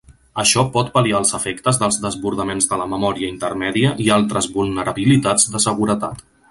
Això pot pal·liar els efectes dels desbordaments de la memòria intermèdia i altres vulnerabilitats de seguretat.